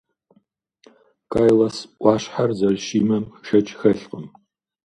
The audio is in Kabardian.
Кайлас ӏуащхьэр зэрыщимэм шэч хэлъкъым.